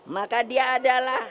maka dia adalah itu